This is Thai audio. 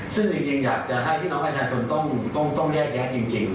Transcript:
ซึ่งจริงอยากจะให้พี่น้องประชาชนต้องแยกแยะจริง